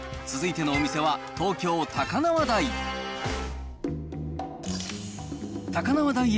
続いてのお店は東京・高輪台。